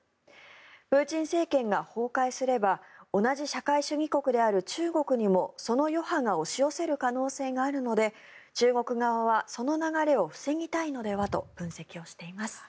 プーチン政権が崩壊すれば同じ社会主義国である中国にもその余波が押し寄せる可能性があるので中国側はその流れを防ぎたいのではと分析をしています。